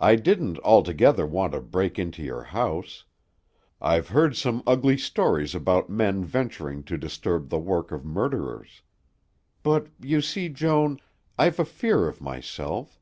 I didn't altogether want to break into your house. I've heard some ugly stories about men venturing to disturb the work of murderers. But, you see, Joan, I've a fear of myself.